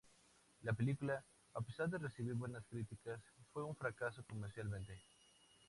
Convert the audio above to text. La película, a pesar de recibir buenas críticas, fue un fracaso comercialmente.